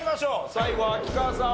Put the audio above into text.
最後秋川さん